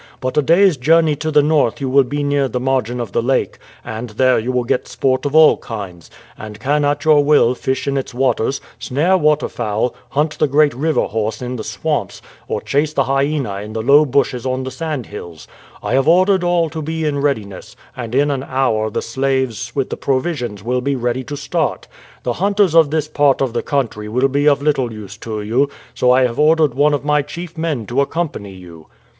But a day's journey to the north you will be near the margin of the lake, and there you will get sport of all kinds, and can at your will fish in its waters, snare waterfowl, hunt the great river horse in the swamps, or chase the hyena in the low bushes on the sandhills. I have ordered all to be in readiness, and in an hour the slaves with the provisions will be ready to start. The hunters of this part of the country will be of little use to you, so I have ordered one of my chief men to accompany you.